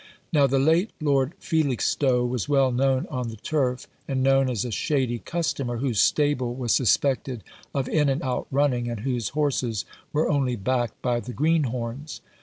Now, the late Lord Felixstowe was well known on tha turf, and known as a shady customer, whose stable was suspected of in and out running, and whose horses were only backed by the greenhorns.